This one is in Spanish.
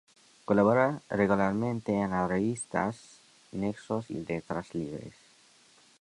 Colabora regularmente en las revistas "Nexos" y "Letras libres".